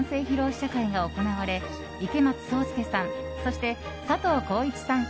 試写会が行われ池松壮亮さんそして佐藤浩市さん